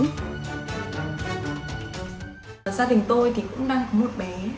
gia đình tôi cũng đang có một bé